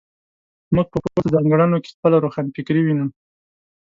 موږ په پورته ځانګړنو کې خپله روښانفکري وینو.